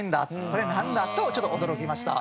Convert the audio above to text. これなんだ？とちょっと驚きました。